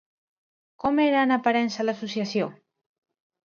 Com era en aparença l'associació?